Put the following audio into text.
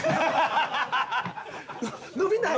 伸びない？